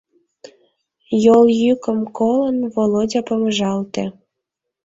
Йол йӱкым колын, Володя помыжалте.